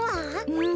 うん。